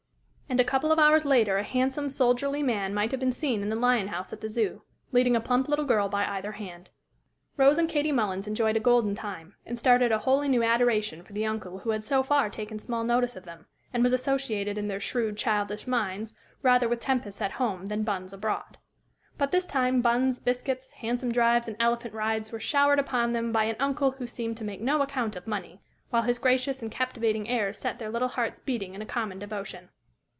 And a couple of hours later a handsome, soldierly man might have been seen in the lion house at the Zoo, leading a plump little girl by either hand. Rose and Katie Mullins enjoyed a golden time, and started a wholly new adoration for the uncle who had so far taken small notice of them, and was associated in their shrewd, childish minds rather with tempests at home than buns abroad. But this time buns, biscuits, hansom drives and elephant rides were showered upon them by an uncle who seemed to make no account of money, while his gracious and captivating airs set their little hearts beating in a common devotion.